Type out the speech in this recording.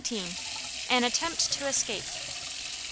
An Attempt To Escape.